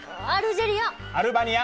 アルバニア。